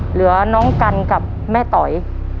เหลือน้องกันกับแม่ต๋อย